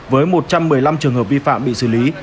với một trăm một mươi năm trường hợp vi phạm bị xử lý